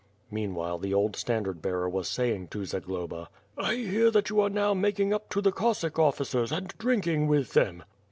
Meanwhile the old standard bearer was saying to Zagloba: "I hear that you are now making up to the Cossack officers and drinking with them."